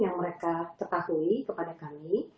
yang mereka ketahui kepada kami